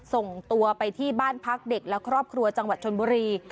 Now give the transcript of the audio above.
ส่งตัวไปที่บ้านพักเด็กและครอบครัวจังหวัดชนบุรี